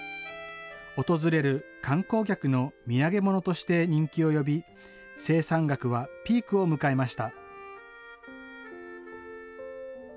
訪れる観光客の土産物として人気を呼び、生産額はピークを迎えました。